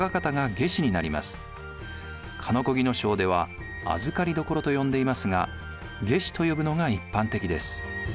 鹿子木荘では預所と呼んでいますが下司と呼ぶのが一般的です。